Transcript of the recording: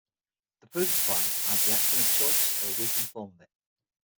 The proof requires either the axiom of choice or a weakened form of it.